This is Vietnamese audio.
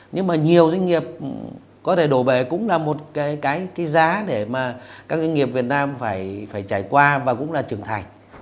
nhưng mà nhiều doanh nghiệp có thể đổ bể cũng là một cái giá để mà các doanh nghiệp việt nam phải trải qua và cũng là trưởng thành